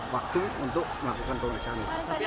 waktu untuk melakukan proses kami